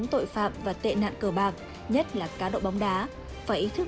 tuyệt đối không tham gia cá đậu bóng đá dưới mọi hình thức